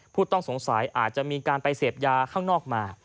ผู้ต้องสงสัยอาจจะมีการไปเสพยาข้างนอกมา